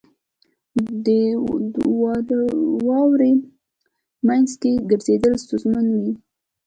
• د واورې مینځ کې ګرځېدل ستونزمن وي.